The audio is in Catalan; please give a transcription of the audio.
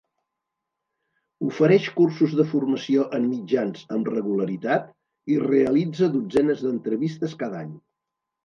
Ofereix cursos de formació en mitjans amb regularitat i realitza dotzenes d'entrevistes cada any.